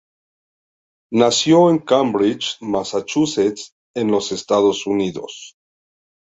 Nació en Cambridge, Massachusetts, en los Estados Unidos.